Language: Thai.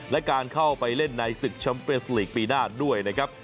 และการเข้าไปเล่นในศึกแชมเปญสลีกปีหน้าด้วยนะครับ